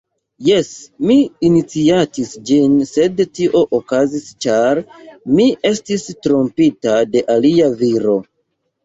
Jes, mi iniciatis ĝin, sed tio okazis ĉar mi estis trompita de alia viro.